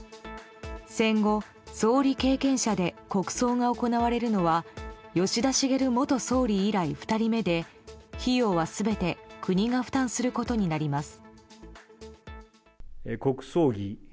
戦後、総理経験者で国葬が行われるのは吉田茂元総理以来２人目で費用は全て国が負担することになります。